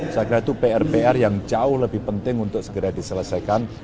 saya kira itu pr pr yang jauh lebih penting untuk segera diselesaikan